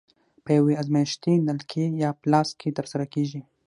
په یوې ازمایښتي نلکې یا فلاسک کې ترسره کیږي.